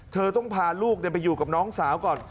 เธอต้องพาลูกไปอยู่กับน้องสาวก่อน